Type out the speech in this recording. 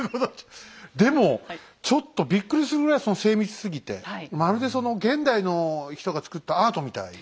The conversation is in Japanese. でもちょっとびっくりするぐらいその精密すぎてまるで現代の人がつくったアートみたいですね。